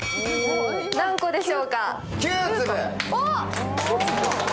何個でしょうか。